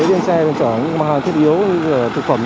viên xe còn chở những mảnh thiết yếu như thực phẩm thôi